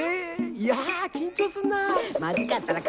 いや緊張するな！